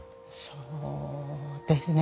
そうですね。